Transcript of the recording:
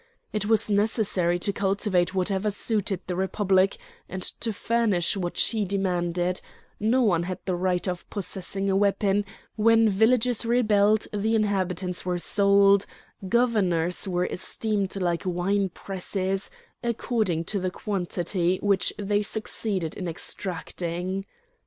It was necessary to cultivate whatever suited the Republic, and to furnish what she demanded; no one had the right of possessing a weapon; when villages rebelled the inhabitants were sold; governors were esteemed like wine presses, according to the quantity which they succeeded in extracting.